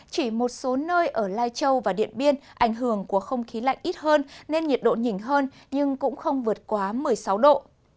chỉ một số nơi ở lai châu và điện biên ảnh hưởng của không khí lạnh ít hơn nên nhiệt độ nhỉnh hơn nhưng cũng không vượt quá một mươi sáu độ